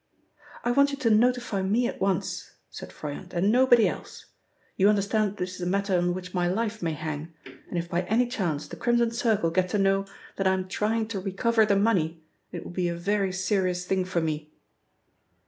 "I want you to notify me at once," said Froyant, "and nobody else. You understand that this is a matter on which my life may hang, and if by any chance the Crimson Circle get to know that I am trying to recover the money it will be a very serious thing for me."